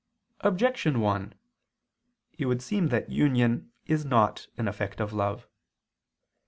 Objection 1: It would seem that union is not an effect of love.